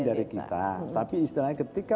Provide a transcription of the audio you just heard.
dari kita tapi istilahnya ketika